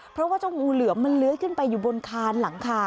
เพราะว่าเจ้างูเหลือมมันเลื้อยขึ้นไปอยู่บนคานหลังคา